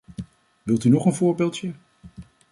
Wilt u nog een voorbeeldje?